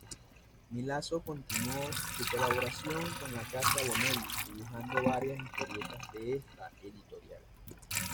Milazzo continuó su colaboración con la casa Bonelli, dibujando varias historietas de esta editorial.